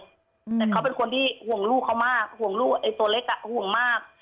แต่เขาเป็นคนที่ห่วงลูกเขามากตัวเล็กห่วงมาก